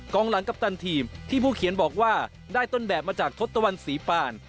องหลังกัปตันทีมที่ผู้เขียนบอกว่าได้ต้นแบบมาจากทศตวรรษีปาน